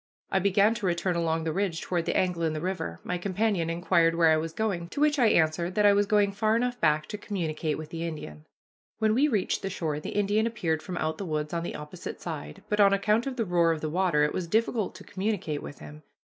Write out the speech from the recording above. I began to return along the ridge toward the angle in the river. My companion inquired where I was going; to which I answered that I was going far enough back to communicate with the Indian. When we reached the shore the Indian appeared from out the woods on the opposite side, but on account of the roar of the water it was difficult to communicate with him.